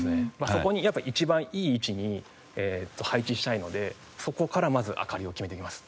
そこにやっぱ一番いい位置に配置したいのでそこからまず明かりを決めていきます。